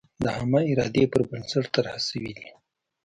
د عامه ارادې پر بنسټ طرحه شوې وي.